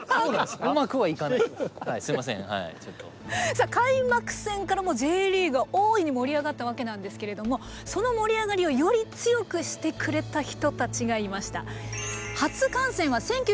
さあ開幕戦からＪリーグは大いに盛り上がったわけなんですけれどもその盛り上がりをより強くしてくれた人たちがいました。